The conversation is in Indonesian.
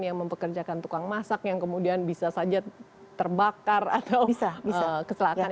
yang mempekerjakan tukang masak yang kemudian bisa saja terbakar atau keselakangan